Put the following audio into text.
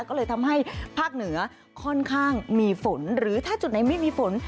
ก็เลยทำให้ภาคเหนือค่อนข้างมีฝนหรือถ้าจุดไหนไม่มีฝน